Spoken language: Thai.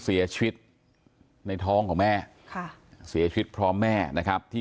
เสียชีวิตในท้องของแม่ค่ะเสียชีวิตพร้อมแม่นะครับที่